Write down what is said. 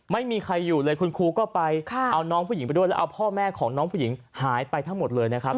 ไม่มีใครอยู่เลยคุณครูก็ไปเอาน้องผู้หญิงไปด้วยแล้วเอาพ่อแม่ของน้องผู้หญิงหายไปทั้งหมดเลยนะครับ